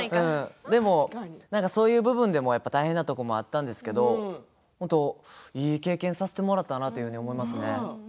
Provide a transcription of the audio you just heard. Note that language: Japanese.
でもそういう部分でも大変なところもあったんですけど本当いい経験させてもろうたなと思いますね。